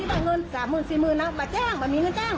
ว่ามันแบบเป็นความจริงว่ามีเนาะ